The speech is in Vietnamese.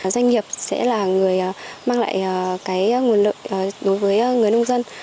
doanh nghiệp sẽ là người mang lại cái nguồn lợi đối với người nông dân